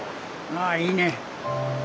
あいいね。